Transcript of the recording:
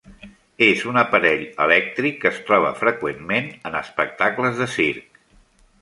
És un aparell elèctric que es troba freqüentment en espectacles de circ.